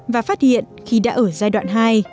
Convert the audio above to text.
và phát hiện khi đã ở giai đoạn hai